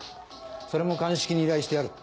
それも鑑識に依頼してある。